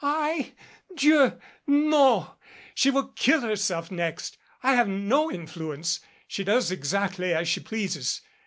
"I Dieu! No ! She will kill herself next. I have no influence. She does exactly as she pleases.